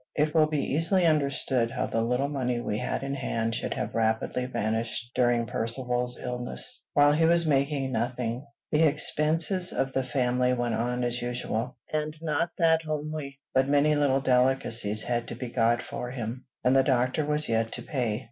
It will be easily understood how the little money we had in hand should have rapidly vanished during Percivale's illness. While he was making nothing, the expenses of the family went on as usual; and not that only, but many little delicacies had to be got for him, and the doctor was yet to pay.